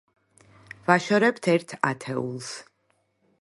ვაშორებთ ერთ ათეულს.